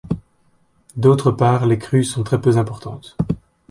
D'autre part les crues sont très peu importantes.